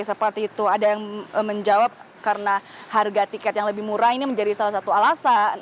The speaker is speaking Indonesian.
seperti itu ada yang menjawab karena harga tiket yang lebih murah ini menjadi salah satu alasan